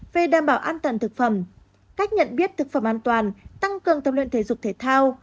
về đảm bảo an toàn thực phẩm cách nhận biết thực phẩm an toàn tăng cường tập luyện thể dục thể thao